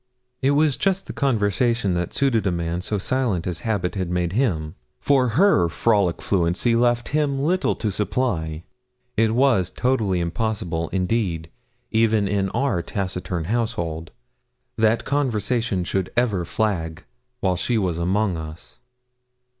It was just the conversation that suited a man so silent as habit had made him, for her frolic fluency left him little to supply. It was totally impossible, indeed, even in our taciturn household, that conversation should ever flag while she was among us.